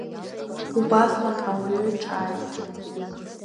Убасҟан Ауаҩы ҿааиҭит…